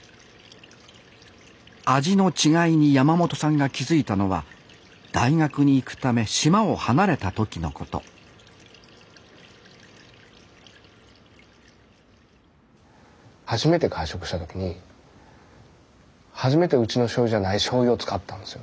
味の違いに山本さんが気付いたのは大学に行くため島を離れた時のこと初めて外食した時に初めてうちのしょうゆじゃないしょうゆを使ったんですよ